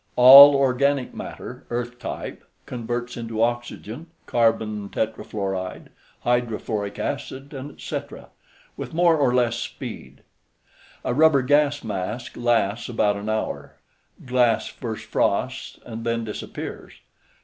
All organic matter (earth type) converts into oxygen, carbon tetrafluoride, hydrofluoric acid, etc., with more or less speed. A rubber gas mask lasts about an hour. Glass first frosts and then disappears.